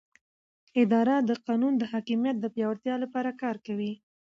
اداره د قانون د حاکمیت د پیاوړتیا لپاره کار کوي.